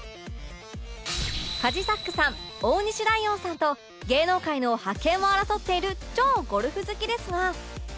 カジサックさん大西ライオンさんと芸能界の覇権を争っている超ゴルフ好きですが